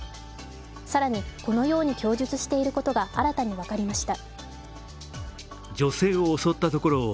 更に、このように供述していることが新たに分かりました。